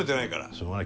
しょうがない。